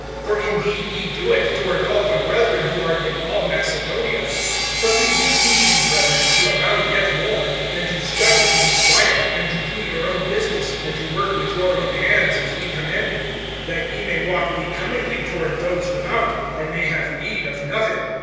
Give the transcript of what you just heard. (10)For indeed ye do it, toward all the brethren who are in all Macedonia. But we beseech you, brethren, to abound yet more; (11)and to study to be quiet, and to do your own business, and to work with your own hands, as we commanded you; (12)that ye may walk becomingly toward those without, and may have need of nothing.